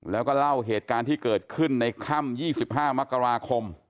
แล้วก็เล่าเหตุการณ์ที่เกิดขึ้นในค่ำ๒๕มกราคม